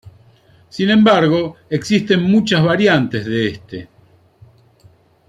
Sin embargo, existen muchas variantes de este.